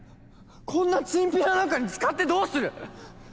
⁉こんなチンピラなんかに使ってどうする！